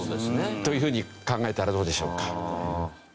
という風に考えたらどうでしょうか？